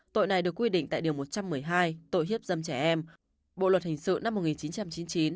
tội này được quy định tại điều một trăm một mươi hai tội hiếp dâm trẻ em bộ luật hình sự năm một nghìn chín trăm chín mươi chín